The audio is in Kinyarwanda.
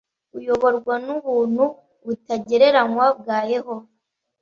uyoborwa n’ubuntu butagereranywa bwa Yehova.